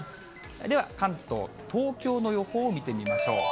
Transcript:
では、関東・東京の予報を見てみましょう。